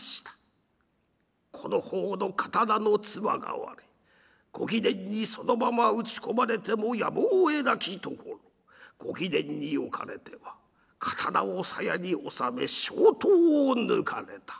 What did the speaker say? この方の刀のつばが割れご貴殿にそのまま打ち込まれてもやむをえなきところご貴殿におかれては刀を鞘に収め小刀を抜かれた。